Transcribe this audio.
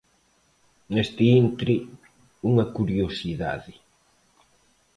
Neste intre, unha curiosidade.